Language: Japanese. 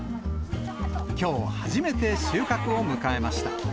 きょう初めて収穫を迎えました。